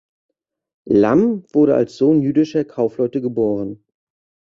Lamm wurde als Sohn jüdischer Kaufleute geboren.